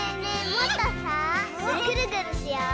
もっとさぐるぐるしよう！